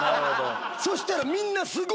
そしたら。